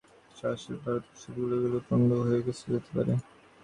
সহসা ভারতে চলে গেলে সব পণ্ড হয়ে যেতে পারে।